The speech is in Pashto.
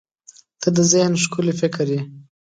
• ته د ذهن ښکلي فکر یې.